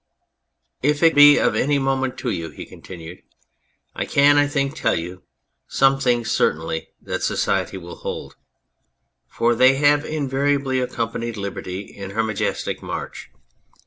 " If it be of any moment to you," he continued, " I can, I think, tell you some things certainly that society will hold. For they have invariably accom panied liberty in her majestic march.